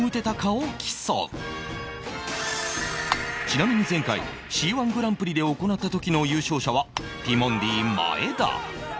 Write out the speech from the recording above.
ちなみに前回『Ｃ−１ グランプリ』で行った時の優勝者はティモンディ前田